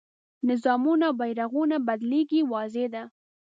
نظامونه او بیرغونه بدلېږي واضح ده.